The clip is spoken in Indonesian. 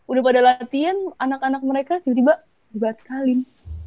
udah pada latihan anak anak mereka tiba tiba dibatalin